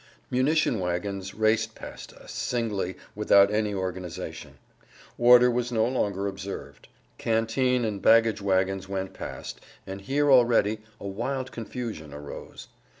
Munition wagons raced past us, singly, without any organization. Order was no longer observed. Canteen and baggage wagons went past, and here already a wild confusion arose.